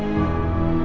dia sangat peduli